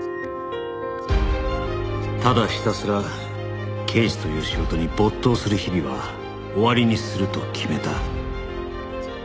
「ただひたすら刑事という仕事に没頭する日々は終わりにすると決めた」